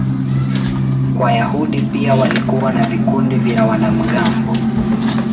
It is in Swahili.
Wayahudi pia walikuwa na vikundi vya wanamgambo.